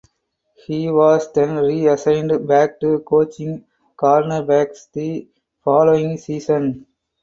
He was then reassigned back to coaching cornerbacks the following season.